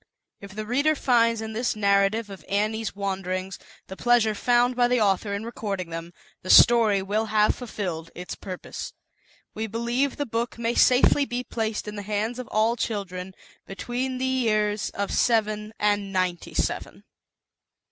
If the reader finds in this narrative of Annie's Wanderings, the pleasure found by the author in recording them, the story will have fulfilled its purpo; We believe the book may safely be placed in the hands of all children between the years of seven ^ ninety seven.